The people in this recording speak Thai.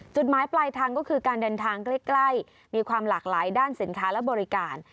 จุดหมายปลายทางก็คือการเดินทางใกล้มีความหลากหลายด้านสินค้าและบริการ